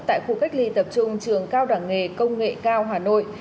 tại khu cách ly tập trung trường cao đẳng nghề công nghệ cao hà nội